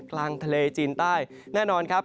กลางทะเลจีนใต้แน่นอนครับ